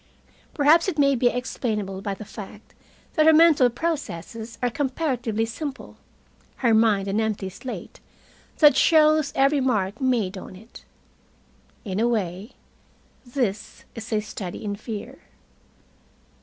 Perhaps it may be explainable by the fact that her mental processes are comparatively simple, her mind an empty slate that shows every mark made on it. In a way, this is a study in fear.